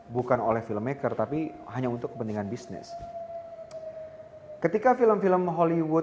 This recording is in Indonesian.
bukan oleh filmmaker tapi hanya untuk kepentingan bisnis ketika film film hollywood